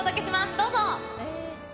どうぞ。